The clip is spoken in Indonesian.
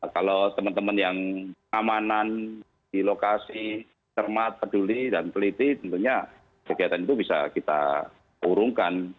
kalau teman teman yang amanan di lokasi cermat peduli dan peliti tentunya kegiatan itu bisa kita urungkan